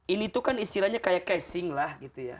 ini tuh kan istilahnya kayak casing lah gitu ya